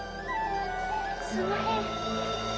すんまへん。